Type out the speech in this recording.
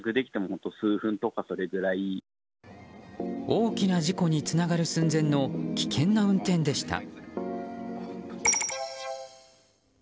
大きな事故につながる寸前の危険な運転でした。